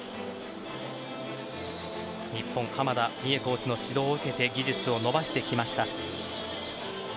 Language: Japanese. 日本、濱田美栄コーチの指導を受けて技術を伸ばしてきました。